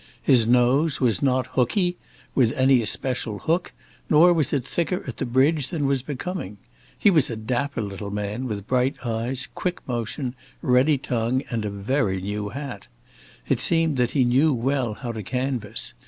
His nose was not hookey, with any especial hook, nor was it thicker at the bridge than was becoming. He was a dapper little man, with bright eyes, quick motion, ready tongue, and a very new hat. It seemed that he knew well how to canvass.